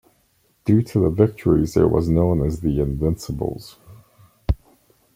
Due to the victories, it was known as "The Invincibles".